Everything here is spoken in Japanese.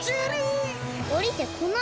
おりてこないよ？